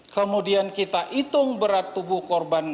kemudian kita hitung berat tubuh korban